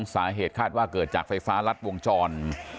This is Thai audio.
สาเหตุคาดว่าเกิดจากไฟฟ้ารัดวงจร